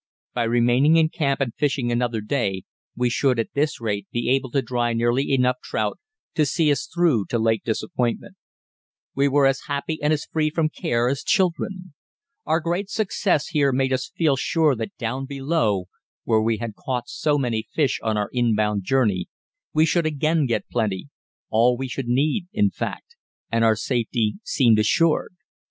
By remaining in camp and fishing another day, we should, at this rate, be able to dry nearly enough trout to see us through to Lake Disappointment. We were as happy and as free from care as children. Our great success here made us feel sure that down below, where we had caught so many fish on our inbound journey, we should again get plenty all we should need, in fact and our safety seemed assured.